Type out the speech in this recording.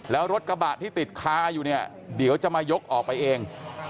แล้วรถกระบะที่ติดคาอยู่เนี่ยเดี๋ยวจะมายกออกไปเอง